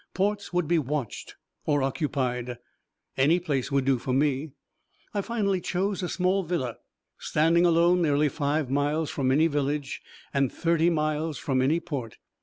Ports would be watched or occupied. Any place would do for me. I finally chose a small villa standing alone nearly five miles from any village and thirty miles from any port.